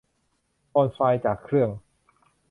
โอนไฟล์จากเครื่อง